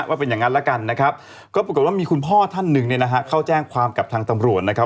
ว่าเป็นอย่างนั้นแล้วกันนะครับก็ปรากฏว่ามีคุณพ่อท่านหนึ่งเนี่ยนะฮะเข้าแจ้งความกับทางตำรวจนะครับ